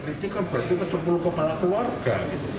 itu kan berarti sepuluh kepala keluarga